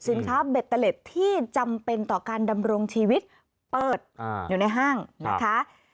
สินค้าเบ็ดเตล็ดที่จำเป็นต่อการดำรงชีวิตเปิดอยู่ในห้างนะคะ